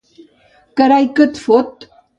Carai que et fot!